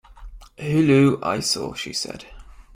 "Hullo, eyesore," she said.